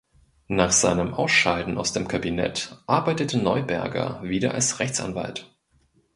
Nach seinem Ausscheiden aus dem Kabinett arbeitete Neuberger wieder als Rechtsanwalt.